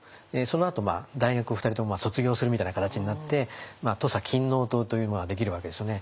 そのあと大学を２人とも卒業するみたいな形になって土佐勤王党というのができるわけですよね。